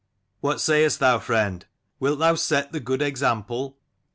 H 57 "What sayest thou, friend? Wilt thou set the good example?"